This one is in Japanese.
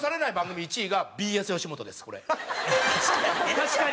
確かに。